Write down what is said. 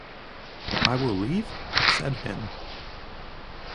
“I will leave?” said him.